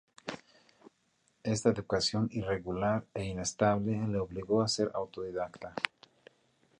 Esta educación irregular e inestable le obligó a ser autodidacta.